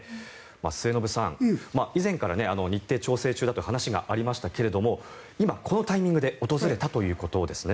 末延さん、以前から日程調整中だという話がありましたが今、このタイミングで訪れたということですね。